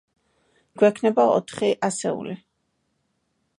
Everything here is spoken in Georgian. გვექნება ოთხი ასეული.